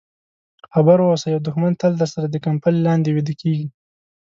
خبر واوسه یو دښمن تل درسره د کمپلې لاندې ویده کېږي.